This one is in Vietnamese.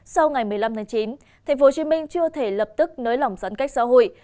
sau ngày một mươi năm tháng chín tp hcm chưa thể lập tức nới lỏng giãn cách xã hội